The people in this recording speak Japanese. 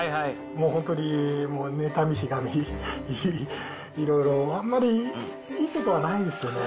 もう本当に、ねたみ、ひがみ、いろいろ、あんまりいいことはないですね。